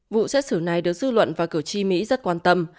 vụ xét xử này được dư luận và cử tri mỹ rất quan tâm